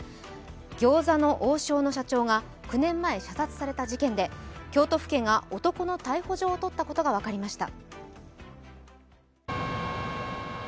餃子の王将の社長が９年前、射殺された事件で京都府警が男の逮捕状を取ったことが分かりました。